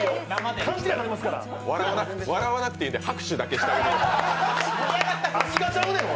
笑わなくていいんで拍手だけしてあげてください。